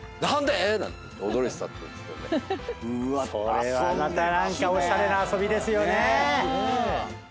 それはまた何かおしゃれな遊びですよね。